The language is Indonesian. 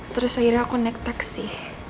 terus akhirnya aku naik taksi